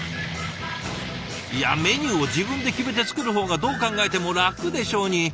いやメニューを自分で決めて作る方がどう考えても楽でしょうに。